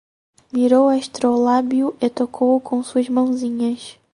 Mirou o astrolábio e tocou-o com suas mãozinhas